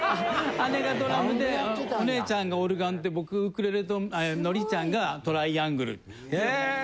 姉がドラムでお姉ちゃんがオルガンで僕ウクレレとのりちゃんがトライアングル。へ。